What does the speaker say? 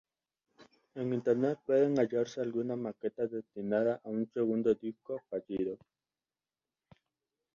En Internet pueden hallarse algunas maquetas destinadas a un segundo disco fallido.